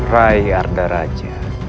rai arda raja